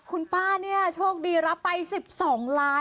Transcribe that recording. คุณป้าโชคดีรับไป๑๒ล้านนะครับ